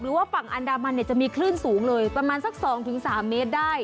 ว่าฝั่งอันดามันเนี่ยจะมีคลื่นสูงเลยประมาณสัก๒๓เมตรได้